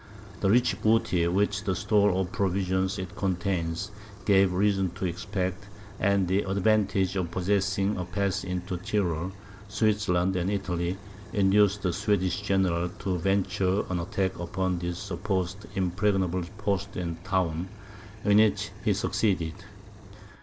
The rich booty, which the store of provisions it contained, gave reason to expect, and the advantage of possessing a pass into the Tyrol, Switzerland and Italy, induced the Swedish general to venture an attack upon this supposed impregnable post and town, in which he succeeded.